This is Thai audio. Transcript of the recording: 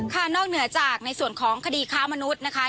นอกเหนือจากในส่วนของคดีค้ามนุษย์นะคะ